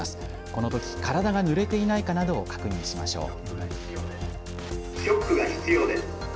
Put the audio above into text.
このとき体がぬれていないかなどを確認しましょう。